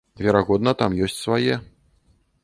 Верагодна, там ёсць свае.